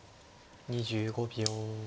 ２５秒。